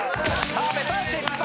澤部さん失敗。